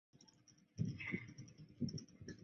担任河南省第十一届人大常委会副主任。